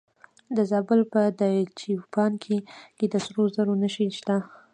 د زابل په دایچوپان کې د سرو زرو نښې شته.